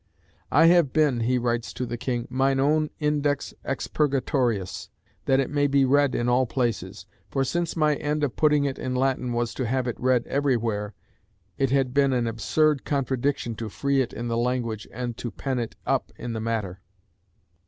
"I have been," he writes to the King, "mine own Index Expurgatorius, that it may be read in all places. For since my end of putting it in Latin was to have it read everywhere, it had been an absurd contradiction to free it in the language and to pen it up in the matter."